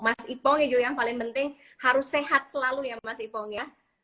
mas ipong ya juga yang paling penting harus sehat selalu ya mas ipong ya